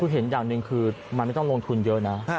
คือเห็นอย่างหนึ่งคือมันไม่ต้องลงทุนเยอะนะ